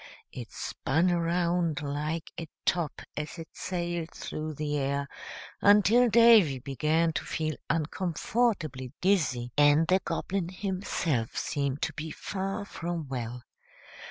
It spun around like a top as it sailed through the air, until Davy began to feel uncomfortably dizzy, and the Goblin himself seemed to be far from well.